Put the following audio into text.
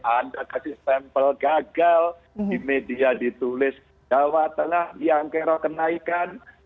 anda kasih sampel gagal di media ditulis jawa tengah yang kerol kenaikan